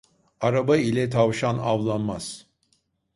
Araba ile tavşan avlanmaz.